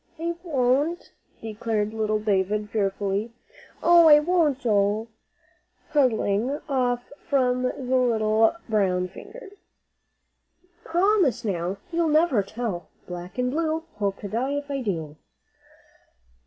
"I won't," declared little David, fearfully. "Oh, I won't, Joe," huddling off from the little brown fingers. "Promise, now, you'll never tell, black and blue, hope to die if I do."